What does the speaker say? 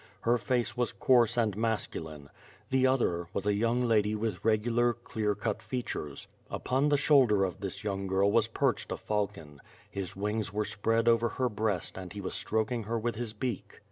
Her face was coarse and masculine. The other was a young lady with regular, clear cut features. Upon the shoul der of this yoimg girl was perched a falcon; his wings were spread over her breast and he was stroking her with his beak.